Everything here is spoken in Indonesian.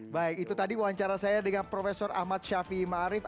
baik itu tadi wawancara saya dengan prof ahmad syafiee ma'arif